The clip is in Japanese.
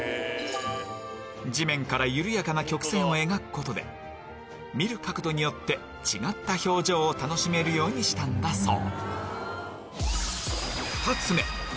地面から緩やかな曲線を描くことで見る角度によって違った表情を楽しめるようにしたんだそう